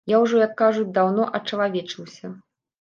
Я ўжо, як кажуць, даўно ачалавечыўся.